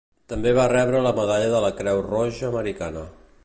També va rebre la medalla de la Creu Roja Americana.